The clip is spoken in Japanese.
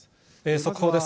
速報です。